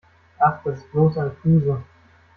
Ach, das ist bloß eine Fluse.